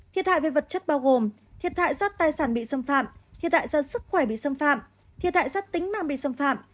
thiệt hại về vật chất bao gồm thiệt hại do tài sản bị xâm phạm thiệt hại do sức khỏe bị xâm phạm thiệt hại rất tính mạng bị xâm phạm